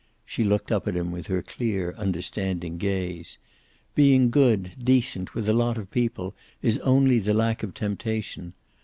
She looked up at him with her clear, understanding gaze. "Being good, decent, with a lot of people is only the lack of temptation.